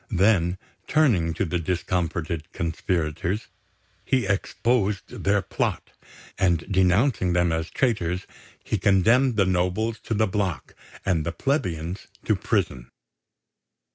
Then, turning to the discomfited conspirators, he exposed their plot; and, denouncing them as traitors, he condemned the nobles to the block and the plebeians to prison.